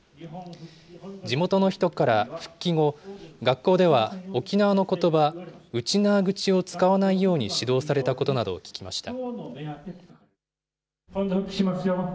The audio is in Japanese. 地元の人から復帰後、学校では沖縄のことば、ウチナーグチを使わないように指導されたことなどを聞きました。